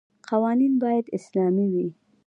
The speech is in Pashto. قوانین باید اسلامي وي.